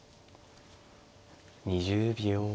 ２０秒。